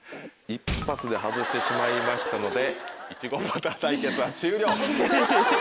一発で外してしまいましたのでいちごパター対決は終了。